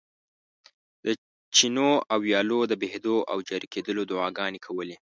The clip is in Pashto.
د چینو او ویالو د بهېدلو او جاري کېدلو دعاګانې کولې.